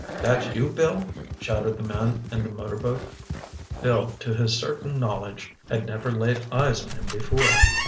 "That you, Bill?" shouted the man in the motor boat. Bill, to his certain knowledge, had never laid eyes on him before.